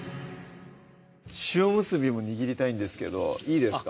塩むすびも握りたいんですけどいいですか？